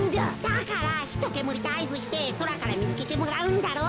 だからひとけむりであいずしてそらからみつけてもらうんだろ？